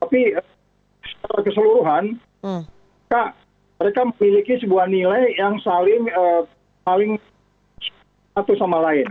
tapi secara keseluruhan mereka memiliki sebuah nilai yang paling satu sama lain